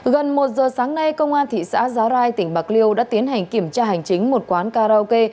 gần một giờ sáng nay công an thị xã giá rai tỉnh bạc liêu đã tiến hành kiểm tra hành chính một quán karaoke